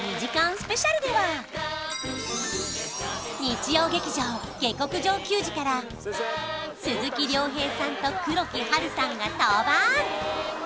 スペシャルでは日曜劇場「下剋上球児」から鈴木亮平さんと黒木華さんが登板！